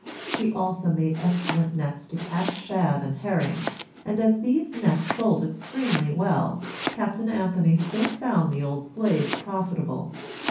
She also made excellent nets to catch shad and herring; and, as these nets sold extremely well, Captain Anthony still found the old slave profitable.